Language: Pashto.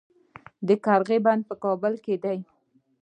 د قرغې بند په کابل کې دی